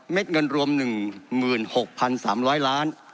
เม็ดเงินรวมหนึ่งหมื่นหกพันสามร้อยล้าน